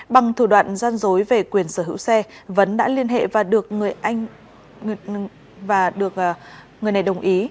bằng thủ đoạn gian dối về quyền sở hữu xe vấn đã liên hệ và được người này đồng ý